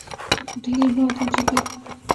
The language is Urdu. ڈھیل بہت ہو چکی۔